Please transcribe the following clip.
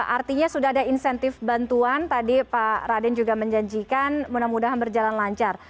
artinya sudah ada insentif bantuan tadi pak raden juga menjanjikan mudah mudahan berjalan lancar